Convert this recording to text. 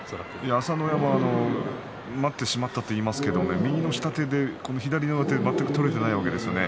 朝乃山は待ってしまったと言いますが右の下手で左の上手全く取れていないわけですよね。